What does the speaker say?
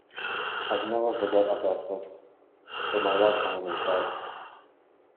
I can never forget Augustus, but my love for him is dead.